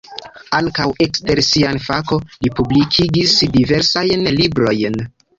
Ankaŭ ekster sia fako li publikigis diversajn librojn.